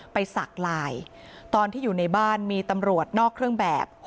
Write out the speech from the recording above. สักไลน์ตอนที่อยู่ในบ้านมีตำรวจนอกเครื่องแบบ